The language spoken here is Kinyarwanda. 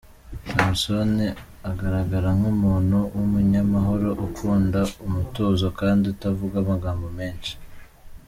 Samson agaragara nk’umuntu w’umunyamahoro, ukunda umutuzo kandi utavuga amagambo menshi.